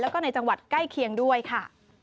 แล้วก็ในจังหวัดใกล้เคียงด้วยค่ะ